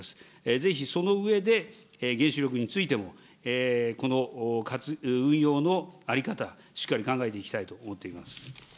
ぜひその上で、原子力についてもこの運用の在り方、しっかり考えていきたいと思っています。